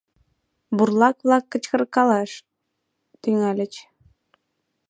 Бурлак-влак кычкыркалаш тӱҥальыч.